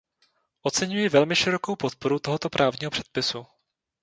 Oceňuji velmi širokou podporu tohoto právního předpisu.